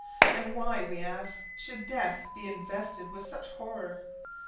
And why, we ask, should death be invested with such horror?